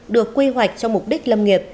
được quy hoạch cho mục đích lâm nghiệp